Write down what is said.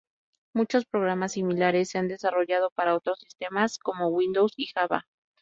Muchos programas similares se han desarrollado para otros sistemas como Windows y Java.